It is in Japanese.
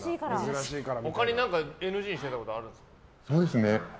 他にＮＧにしてたことあるんですか？